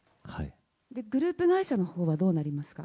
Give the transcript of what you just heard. グループ会社のほうはどうなりますか。